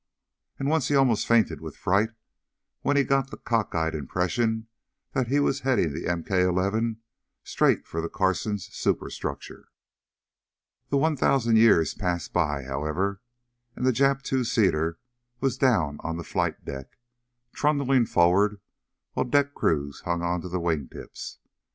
And once he almost fainted with fright when he got the cockeyed impression that he was heading the MK 11 straight for the Carson's superstructure. The one thousand years passed by, however, and the Jap two seater was down on the flight deck, trundling forward while deck crews hung onto the wingtips.